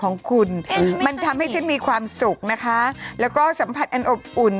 ของคุณมันทำให้ฉันมีความสุขนะคะแล้วก็สัมผัสอันอบอุ่น